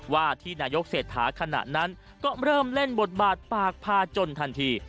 ว่าที่นายกเศรษฐาขณะนั้นก็เริ่มเล่นบทบาทปากพาจนทันที